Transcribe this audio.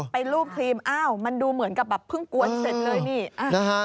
ไปรูปครีมอ้าวมันดูเหมือนกับแบบเพิ่งกวนเสร็จเลยนี่